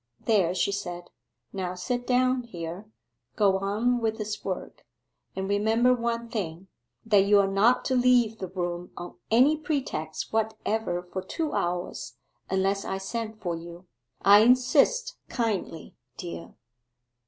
'There,' she said, 'now sit down here, go on with this work, and remember one thing that you are not to leave the room on any pretext whatever for two hours unless I send for you I insist kindly, dear.